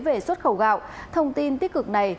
về xuất khẩu gạo thông tin tích cực này